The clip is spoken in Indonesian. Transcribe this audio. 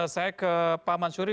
saya ke pak mansyuri